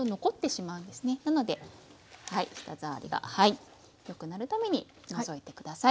なので舌触りがよくなるために除いて下さい。